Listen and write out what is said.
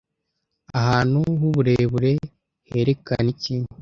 Ahantu h'uburebure herekana iki